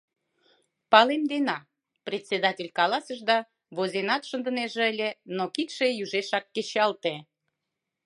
— Палемдена, — председатель каласыш да возенат шындынеже ыле, но кидше южешак кечалте: